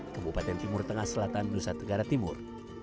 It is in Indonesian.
kebupaten timur tengah selatan nusa tenggara timur